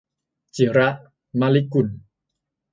จิระ มะลิกุล